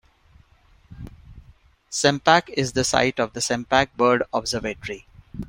Sempach is the site of the Sempach Bird Observatory.